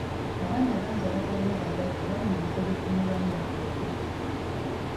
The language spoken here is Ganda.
Abaana bangi abatalina bazadde Bali mu bifo ebikuumirwamu bamulekwa.